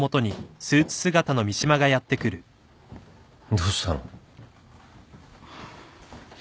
・どうしたの？